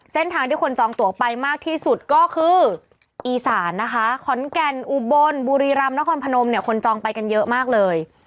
เส้นทางที่คนจองตัวไปมากที่สุดก็คืออีสานนะคะขอนแก่นอุบลบุรีรำนครพนมเนี่ยคนจองไปกันเยอะมากเลย